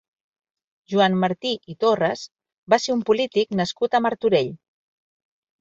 Joan Martí i Torres va ser un polític nascut a Martorell.